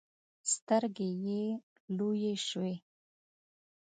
سترګې يې لویې شوې.